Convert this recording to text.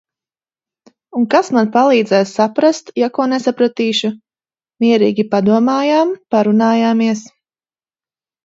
Un kas man palīdzēs saprast, ja ko nesapratīšu?... mierīgi padomājām, parunājāmies...